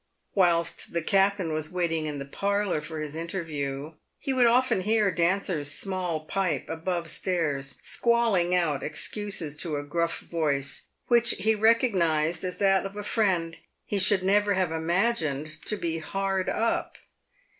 Whilst the cap tain was waiting in the parlour for his interview, he would often hear Dancer's small pipe above stairs squalling out excuses to a gruff voice which he recognised as that of a friend he should never have imagined " to be hard up."